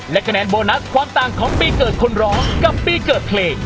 และคะแนนโบนัสความต่างของปีเกิดคนร้องกับปีเกิดเพลง